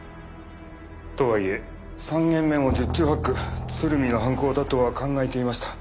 とはいえ３件目も十中八九鶴見の犯行だとは考えていました。